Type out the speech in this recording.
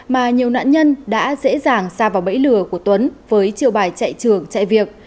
mà nhiều nạn nhân đã dễ dàng xa vào bẫy lừa của tuấn với chiều bài chạy trường chạy việc